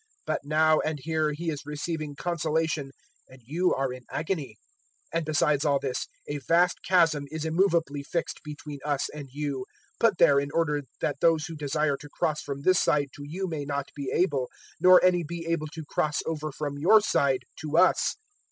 But, now and here, he is receiving consolation and you are in agony. 016:026 And, besides all this, a vast chasm is immovably fixed between us and you, put there in order that those who desire to cross from this side to you may not be able, nor any be able to cross over from your side to us.'